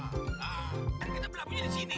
kita belakangnya di sini